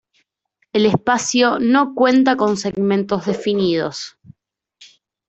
El espacio no cuenta con segmentos definidos.